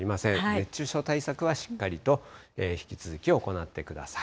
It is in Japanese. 熱中症対策はしっかりと引き続き行ってください。